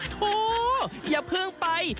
ทู๊อย่าเพิ่งไป